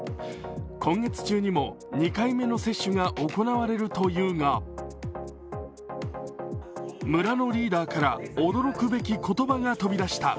今月中にも２回目の接種が行われるというが、村のリーダーから、驚くべき言葉が飛び出した。